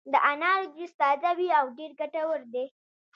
د انارو جوس تازه وي او ډېر ګټور دی.